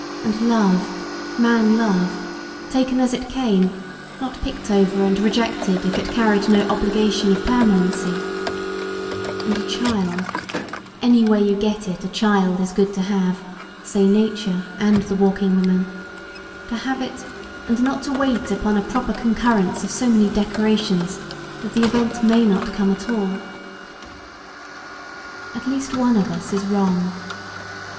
and love, man love, taken as it came, not picked over and rejected if it carried no obligation of permanency; and a child; any way you get it, a child is good to have, say nature and the Walking Woman; to have it and not to wait upon a proper concurrence of so many decorations that the event may not come at all. At least one of us is wrong.